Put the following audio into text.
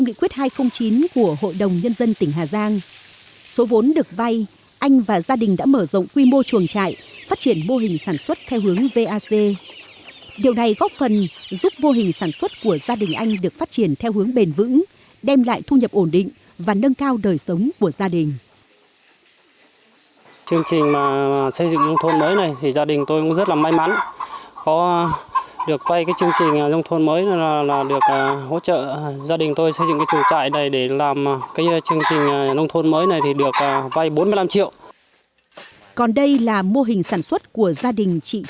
nghị quyết hai trăm linh chín của hội đồng nhân dân tỉnh về khuyến khích phát triển sản xuất đã được các cấp chính quyền địa phương áp dụng và đem lại hiệu quả thiết thực